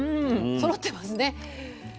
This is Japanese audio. そろってますね。